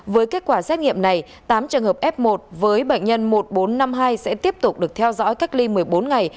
với kết quả xét nghiệm này tám trường hợp f một với bệnh nhân một nghìn bốn trăm năm mươi hai sẽ tiếp tục được theo dõi cách ly một mươi bốn ngày